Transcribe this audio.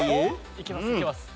いけますいけます。